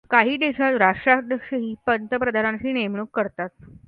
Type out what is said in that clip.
काही देशात राष्ट्राध्यक्षही पंतप्रधानाची नेमणूक करतात.